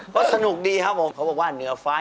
ก็สนุกดีครับผมเขาบอกว่าเหนือฟ้า